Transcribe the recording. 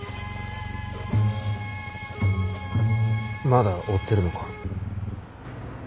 まだ追ってるのか？